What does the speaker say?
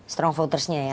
strong votersnya ya